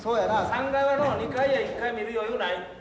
３階はのう２階や１階見る余裕ない。